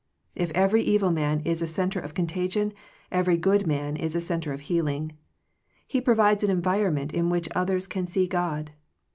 If every evil man is a centre of contagion, every good man is a centre of healing. He provides an environment in which others can see God.